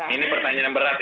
ini pertanyaan berat ini